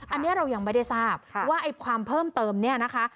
อันนี้เรายังไม่ได้ทราบว่าไอ้ความเพิ่มเติมเนี่ยนะคะ